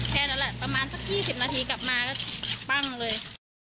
แค่นั้นแหละประมาณสัก๒๐นาทีกลับมาก็ปั้งเลย